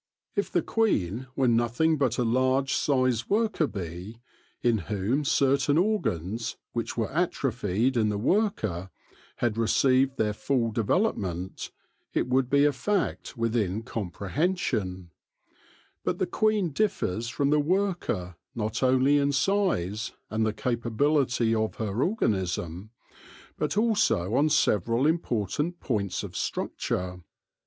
If the queen were nothing but a large sized worker bee, in whom certain organs — which were atrophied in the worker — had received their full development, it would be a fact within comprehension ; but the queen differs from the worker not only in size and the capability of her organism, but also on several important points of structure.